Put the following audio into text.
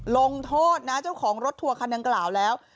ลงโทษนะเจ้าของรถทัวร์คันดังกล่าวแล้ว